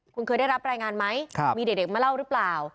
คุณเคยได้รับรายงานไหมมีเด็กมาเล่าหรือเปล่า